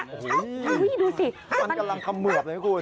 โอ้โหดูสิมันกำลังเขมือบเลยคุณ